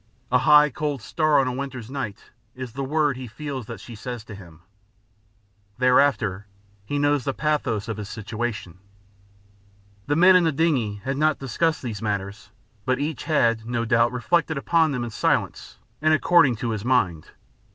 A high cold star on a winter's night is the word he feels that she says to him. Thereafter he knows the pathos of his situation. The men in the dingey had not discussed these matters, but each had, no doubt, reflected upon them in silence and according to his mind.